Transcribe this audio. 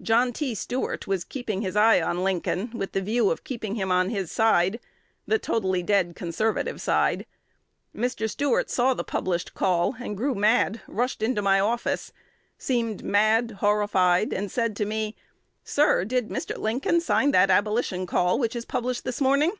John T. Stuart was keeping his eye on Lincoln, with the view of keeping him on his side, the totally dead conservative side. Mr. Stuart saw the published call, and grew mad; rushed into my office, seemed mad, horrified, and said to me, 'Sir, did Mr. Lincoln sign that Abolition call which is published this morning?'